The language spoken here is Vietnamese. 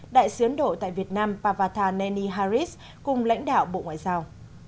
đại sứ ấn độ tại việt nam pavartha neni haris cùng lãnh đạo bộ ngoại giao